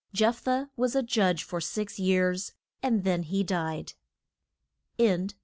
Jeph thah was a judge for six years, and then he died.